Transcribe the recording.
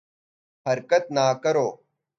حرکت نہ کرو